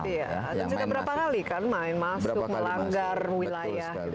ada juga berapa kali kan main masuk melanggar wilayah